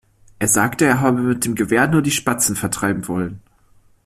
Er sagte, er habe mit dem Gewehr nur die Spatzen vertreiben wollen.